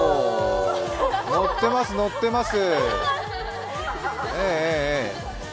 乗ってます、乗ってます。